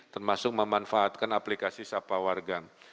termasuk memanfaatkan aplikasi sapa warga